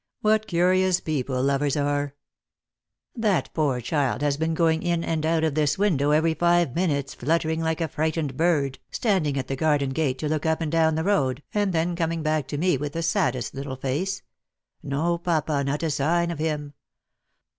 " What curious people lovers are ! That poor child has been going in and out of this window every five minutes, fluttering like a frightened bird, standing at the garden gate to look up and down the road, and then coming back to me with the saddest little face —' No, papa, not a sign of him.'